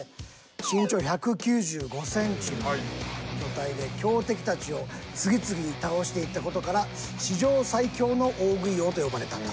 身長１９５ｃｍの巨体で強敵たちを次々倒していった事から「史上最強の大食い王」と呼ばれたと。